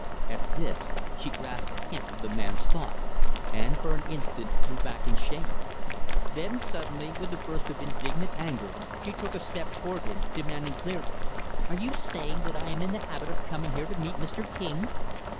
At this, she grasped a hint of the man's thought and, for an instant, drew hack in shame. Then, suddenly with a burst of indignant anger, she took a step toward him, demanding clearly; "Are you saying that I am in the habit of coming here to meet Mr. King?"